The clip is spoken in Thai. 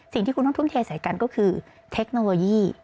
สิ่งที่คุณต้องทุ่มเทใส่กันก็คือเทคโนโลยี